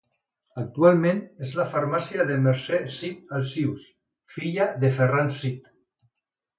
Actualment és la farmàcia de Mercè Cid Alsius, filla de Ferran Cid.